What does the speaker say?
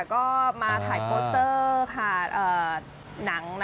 ก็มาถ่ายโพสเตอร์ค่ะหนังนะคะ